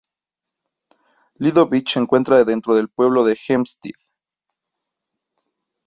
Lido Beach se encuentra dentro del pueblo de Hempstead.